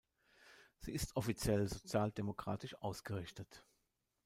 Sie ist offiziell sozialdemokratisch ausgerichtet.